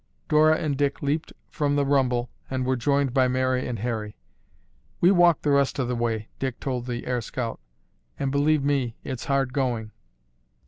Dora and Dick leaped from the rumble and were joined by Mary and Harry. "We walk the rest of the way," Dick told the air scout, "and believe me it's hard going."